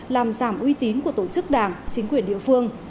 làm giảm uy tín của tổ chức đảng chính quyền địa phương